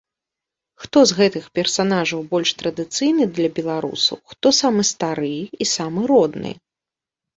Хто з гэтых персанажаў больш традыцыйны для беларусаў, хто самы стары і самы родны?